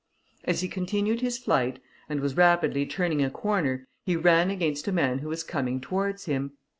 As he continued his flight, and was rapidly turning a corner, he ran against a man who was coming towards him.